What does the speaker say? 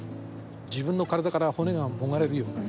自分の体から骨がもがれるようなですね